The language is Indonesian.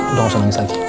udah usah nangis lagi